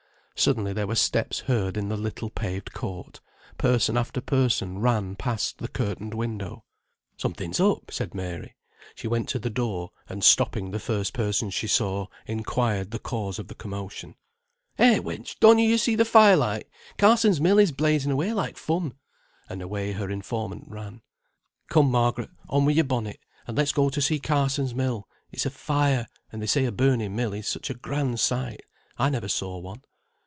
Suddenly there were steps heard in the little paved court; person after person ran past the curtained window. "Something's up," said Mary. She went to the door and stopping the first person she saw, inquired the cause of the commotion. "Eh, wench! donna ye see the fire light? Carsons' mill is blazing away like fun;" and away her informant ran. "Come, Margaret, on wi' your bonnet, and let's go to see Carsons' mill; it's afire, and they say a burning mill is such a grand sight. I never saw one."